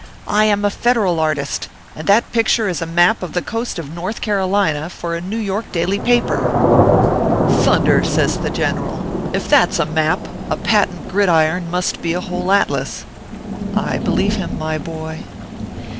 I am a Federal artist ; and that picture is a map of the coast of North Carolina, for a New York daily paper." " Thunder !" says the general " if that s a map, a patent gridiron must be a whole atlas." I believe him, my boy